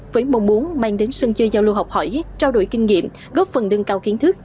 với mong muốn mang đến sân chơi giao lưu học hỏi trao đổi kinh nghiệm góp phần nâng cao kiến thức